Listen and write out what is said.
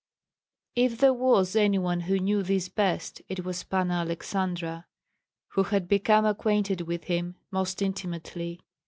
If there was any one who knew this best, it was Panna Aleksandra, who had become acquainted with him most intimately.